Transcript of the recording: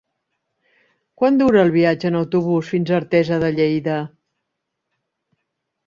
Quant dura el viatge en autobús fins a Artesa de Lleida?